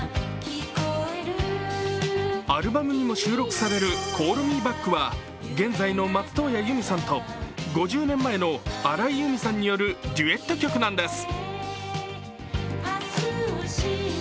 アルバムにも収録される「Ｃａｌｌｍｅｂａｃｋ」は現在の松任谷由実さんと５０年前の荒井由実さんによるデュエット曲なんです。